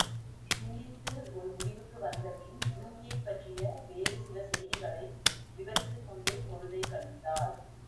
சிந்தித்து ஒரு முடிவுக்கு வந்தபின் யூகியைப் பற்றிய வேறு சில செய்திகளை விவரித்துக்கொண்டே பொழுதைக் கழித்தாள்.